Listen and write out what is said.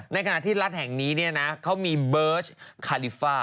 ในขณะที่รัฐแห่งนี้เขามีเบิร์ชคาลิฟ่า